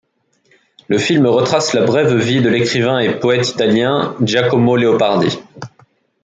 Le film retrace la brève vie de l'écrivain et poète italien Giacomo Leopardi.